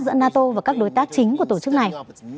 giữa nato và các đối tác chính của tổ chức này